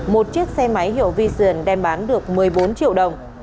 một chiếc xe máy hiệu vision đem bán được một mươi bốn triệu đồng